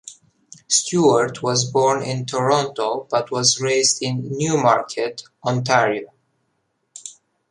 Stewart was born in Toronto, but was raised in Newmarket, Ontario.